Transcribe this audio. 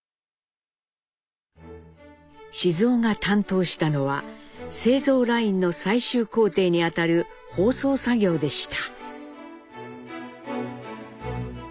雄が担当したのは製造ラインの最終工程にあたる包装作業でした。